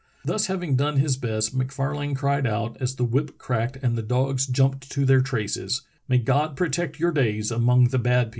Thus having done his best Mac Farlane cried out, as the whip cracked and the dogs jumped to their traces, "May God protect your days among the bad people."